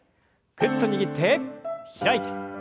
ぐっと握って開いて。